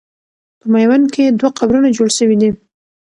په میوند کې دوه قبرونه جوړ سوي دي.